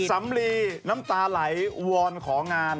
สำลีน้ำตาไหลวอนของาน